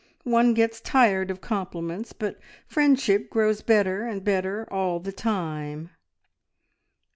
One gets tired of compliments, but friendship grows better and better all the time."